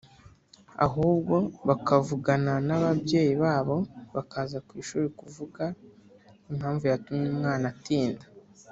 ahubwo bakavugana n’ababyeyi babo bakaza ku ishuri kuvuga impamvu yatumye umwana atinda